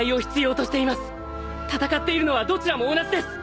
戦っているのはどちらも同じです！